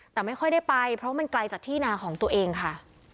แต่ไม่ค่อยได้ไปเพราะมันไกลจากที่นาของตัวเองค่ะ